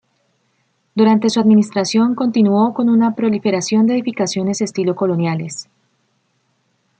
Durante su administración continuó con una proliferación de edificaciones estilo coloniales.